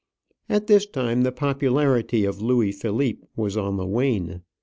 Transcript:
At this time the popularity of Louis Philippe was on the wane.